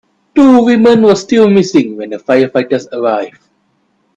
Two women were still missing when the firefighters arrived.